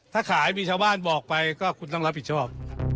ถ้าขายมีชาวบ้านบอกไปก็คุณต้องรับผิดชอบ